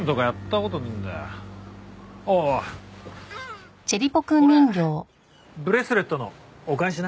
これブレスレットのお返しな。